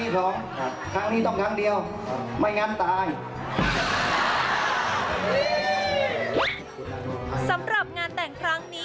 สำหรับงานแต่งครั้งนี้